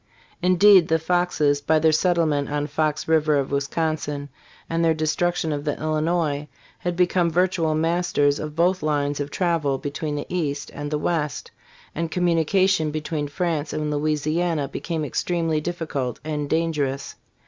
Indeed, the Foxes by their settle ment on Fox river of Wisconsin and their destruction of the Illinois, had be come virtual masters of both lines of travel between the east and the west, and communication between France and Louisiana became extremely difficult and dangerous.